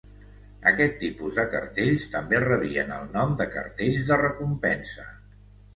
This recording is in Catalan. Aquest tipus de cartells també rebien el nom de cartells de recompensa.